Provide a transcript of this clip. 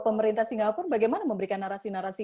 pemerintah singapura bagaimana memberikan narasi narasi